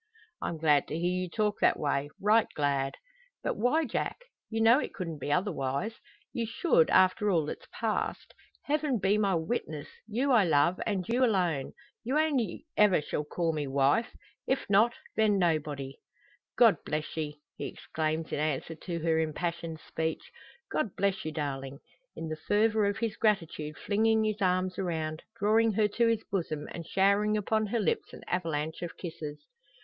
"I'm glad to hear you talk that way right glad." "But why, Jack? You know it couldn't be otherwise! You should after all that's passed. Heaven be my witness! you I love, and you alone. You only shall ever call me wife. If not then nobody!" "God bless ye!" he exclaims in answer to her impassioned speech. "God bless you, darling!" in the fervour of his gratitude flinging his arms around, drawing her to his bosom, and showering upon her lips an avalanche of kisses.